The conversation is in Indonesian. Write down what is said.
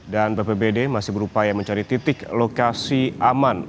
dan bpbd masih berupaya mencari titik lokasi aman